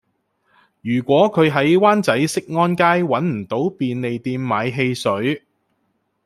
如果佢喺灣仔適安街搵唔到便利店買汽水